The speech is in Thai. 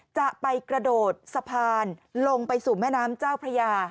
จะไปกระโดดสะพานลงไปสู่แม่น้ำเจ้าพระยา